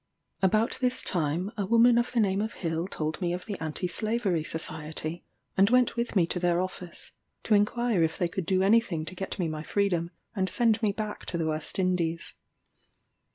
About this time, a woman of the name of Hill told me of the Anti Slavery Society, and went with me to their office, to inquire if they could do any thing to get me my freedom, and send me back to the West Indies.